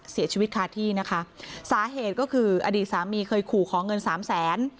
เสียชีวิตคาที่นะคะสาเหตุก็คืออดีตสามีเคยขู่ขอเงินสามแสน